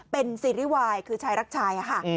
เป็นซีรีส์วายคือชายรักชายค่ะ